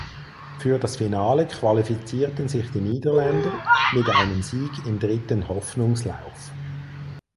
Für das Finale qualifizierten sich die Niederländer mit einem Sieg im dritten Hoffnungslauf.